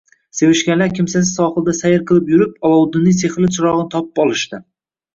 Sevishganlar kimsasiz sohilda sayr qilib yurib, Olovuddinning sehrli chirogʻini topib olishdi.